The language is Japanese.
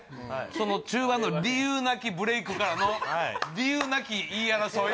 その中盤の理由なきブレイクからの理由なき言い争い？